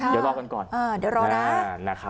เดี๋ยวรอกันก่อน